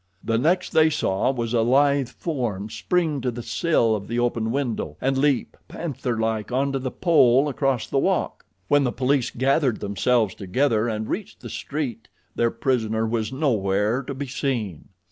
The next they saw was a lithe form spring to the sill of the open window and leap, panther like, onto the pole across the walk. When the police gathered themselves together and reached the street their prisoner was nowhere to be seen.